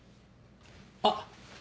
あっ！